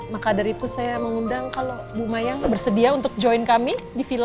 makadar itu saya mengundang kalau bu mayang bersedia untuk join kami di villa